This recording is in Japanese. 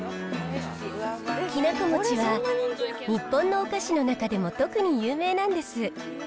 きなこ餅は日本のお菓子の中でもとくに有名なんです。